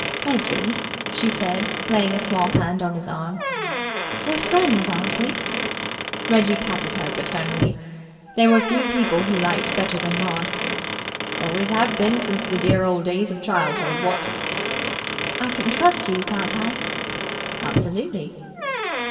"Reggie," she said, laying a small hand on his arm. "We're friends, aren't we?" Reggie patted her back paternally. There were few people he liked better than Maud. "Always have been since the dear old days of childhood, what!" "I can trust you, can't I?" "Absolutely!"